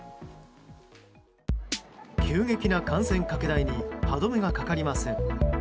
急激な感染拡大に歯止めがかかりません。